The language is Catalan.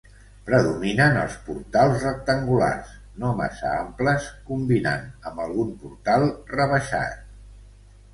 Predominen els portals rectangulars, no massa amples, combinant amb algun portal rebaixat.